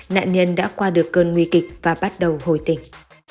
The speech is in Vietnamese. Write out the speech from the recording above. nạn nhân đã qua được cơn nguy kịch và bắt đầu hồi tình